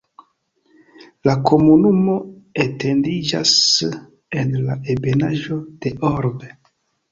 La komunumo etendiĝas en la ebenaĵo de Orbe.